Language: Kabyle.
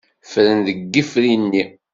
Ffren deg yifri-nni.